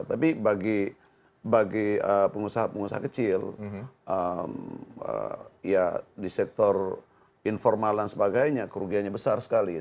tapi bagi pengusaha pengusaha kecil ya di sektor informal dan sebagainya kerugiannya besar sekali